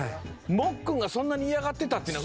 もっくんがそんなに嫌がってたっていうのは。